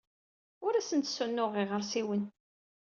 Ur asent-d-ssunuɣeɣ iɣersiwen.